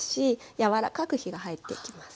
柔らかく火が入っていきます。